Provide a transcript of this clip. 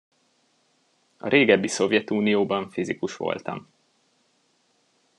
A régebbi Szovjetunióban fizikus voltam.